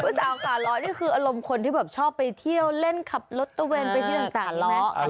สาวขาล้อนี่คืออารมณ์คนที่แบบชอบไปเที่ยวเล่นขับรถตะเวนไปที่ต่างเนาะ